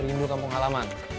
rindu kampung halaman